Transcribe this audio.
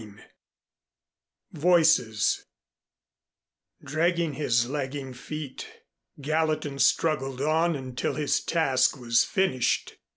III VOICES Dragging his lagging feet, Gallatin struggled on until his task was finished.